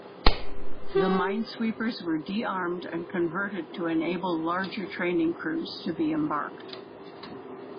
The Minesweepers were de-armed and converted to enable larger training crews to be embarked.